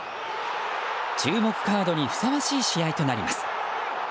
注目カードにふさわしい試合となります。